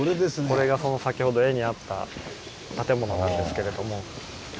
これが先ほど絵にあった建物なんですけれども。